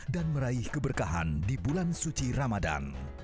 dan meraih keberkahan di bulan suci ramadhan